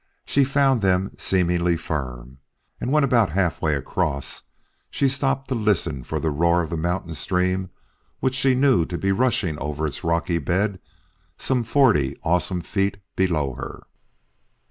She found them seemingly firm, and when about halfway across she stopped to listen for the roar of the mountain stream which she knew to be rushing over its rocky bed some forty awesome feet below her.